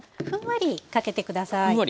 ふんわりかけて下さい。